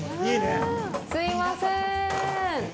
すいません。